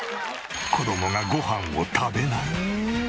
子供がご飯を食べない。